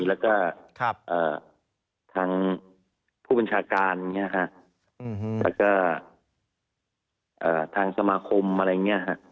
แล้วก็ทางผู้บัญชาการแล้วก็ทางสมาคมอะไรอย่างนี้ฮะ